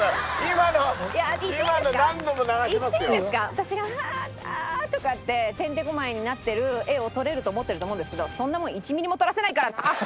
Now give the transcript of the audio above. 私がああとかっててんてこまいになってる画を撮れると思ってると思うんですけどそんなもん１ミリも撮らせないからな！